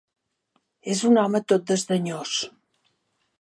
És un home tot desdenyós.